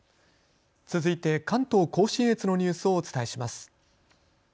続いて関東甲信越のニュースをお伝えします。